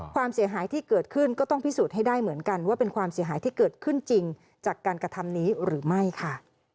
ความเสียหายที่เกิดขึ้นก็ต้องพิสูจน์ให้ได้เหมือนกันว่าเป็นความเสียหายที่เกิดขึ้นจริงจากการกระทำนี้หรือไม่ค่ะ